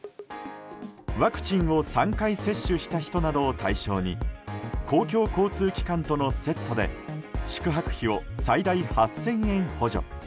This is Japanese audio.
ワクチンを３回接種した人などを対象に公共交通機関とのセットで宿泊費を最大８０００円補助。